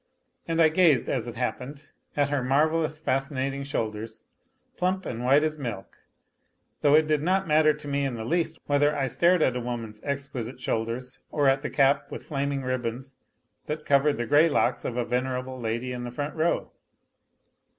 And I gazed, as it happened, at her marvellous, fascinating shoulders, plump and white as milk, though it did not matter to me in the least whether I stared at a woman's exquisite shoulders or at the cap with flaming ribbons that covered the grey locks of a venerable lady in the front row.